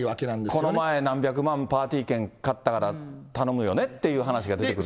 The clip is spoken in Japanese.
この前、何百万パーティー券買ったから頼むよねっていう話が出てくる。